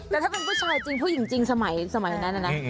แต่ถ้าเป็นผู้ชายจริงผู้หญิงจริงสมัยนั้นนะ